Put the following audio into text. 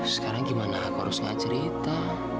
sekarang gimana aku harus gak cerita